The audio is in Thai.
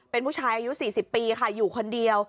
เป็นผู้ชายอายุ๔๐ปีค่ะอยู่คนเดียว